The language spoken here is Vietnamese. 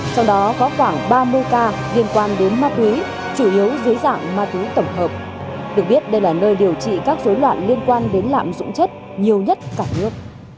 trong đó có khoảng ba mươi ca liên quan đến ma túy chủ yếu dưới dạng ma túy tổng hợp được biết đây là nơi điều trị các dối loạn liên quan đến lạm dụng chất nhiều nhất cả nước